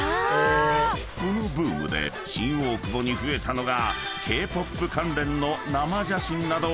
［このブームで新大久保に増えたのが］